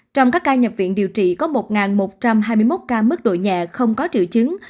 trong các ca nhập viện điều trị có một một trăm hai mươi một ca mức độ nhẹ không có triệu chứng